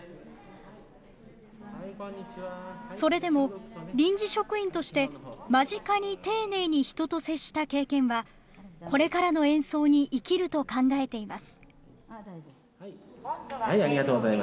それでも、臨時職員として間近に丁寧に人と接した経験は、これからの演奏に生きると考えています。